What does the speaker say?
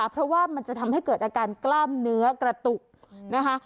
เพราะว่ามันจะทำให้เกิดอาการกล้ามเนื้อกระตุกนะคะ